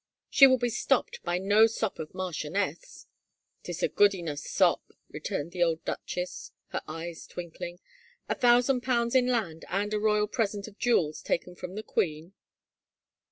" She will be stopped by no sop of marchioness." " 'Tis a good enow sop," returned the old duchess, her eyes twinkling. " A thousand poimds in land and a royal pre§ent of jewels taken from the queen."